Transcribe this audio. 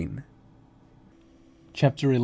CHAPTER XI.